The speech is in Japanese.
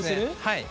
はい。